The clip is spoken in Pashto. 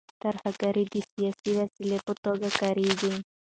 ترهګري د سیاسي وسیلې په توګه کارېږي.